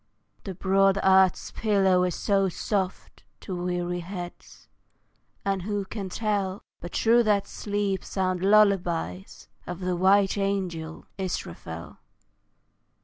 The broad earth's pillow is so soft To weary heads, and who can tell But through that sleep sound lullabies Of the white angel, Israfel?